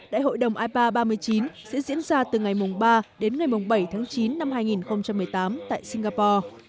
đại hội đồng ipa ba mươi chín sẽ diễn ra từ ngày ba đến ngày bảy tháng chín năm hai nghìn một mươi tám tại singapore